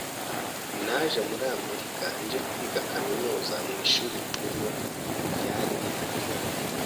Naje muri Amerika nje kwiga Kaminuza mu ishuri rikuru ryari rihari.